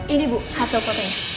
ini bu hasil fotonya